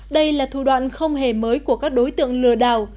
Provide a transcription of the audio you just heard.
đây là thủ đoạn không hề mới của các đối tượng lừa đảo